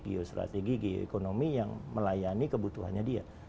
geostrategi geoekonomi yang melayani kebutuhannya dia